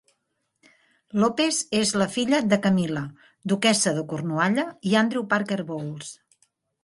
Lopes és la filla de Camil·la, duquessa de Cornualla, i Andrew Parker Bowles.